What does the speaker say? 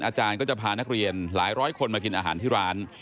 อาจารย์ก็จะพานักเรียนหลายร้อยคนมากินอาหารที่ร้าน